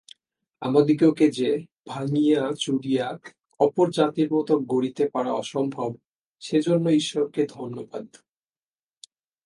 আমাদিগকে যে ভাঙিয়া-চুরিয়া অপর জাতির মত গড়িতে পারা অসম্ভব, সেজন্য ঈশ্বরকে ধন্যবাদ।